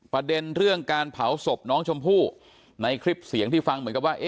ประเด็นเรื่องการเผาศพน้องชมพู่ในคลิปเสียงที่ฟังเหมือนกับว่า